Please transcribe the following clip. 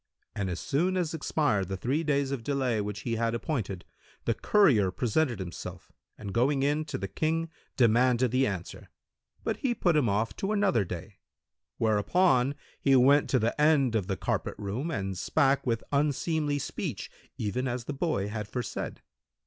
And as soon as expired the three days of delay which he had appointed, the courier presented himself and going in to the King, demanded the answer; but he put him off to another day; whereupon he went to the end of the carpet room[FN#174] and spake with unseemly speech, even as the boy had foresaid.